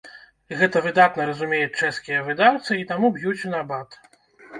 Гэта выдатна разумеюць чэшскія выдаўцы і таму б'юць у набат.